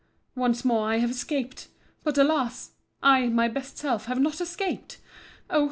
Once more have I escaped—But, alas! I, my best self, have not escaped!—Oh!